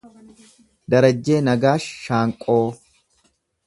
Darraajjee Nagaash Shaanqoo